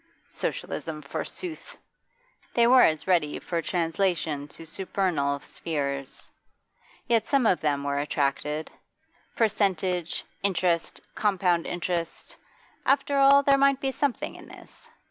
Socialism, forsooth! They were as ready for translation to supernal spheres. Yet some of them were attracted: 'percentage,' 'interest,' 'compound interest,' after all, there might be something in this!